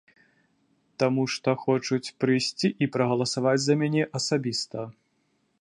Таму што хочуць прыйсці і прагаласаваць за мяне асабіста.